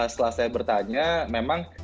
setelah saya bertanya memang